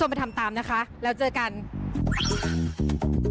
โปรดติดตามตอนต่อไป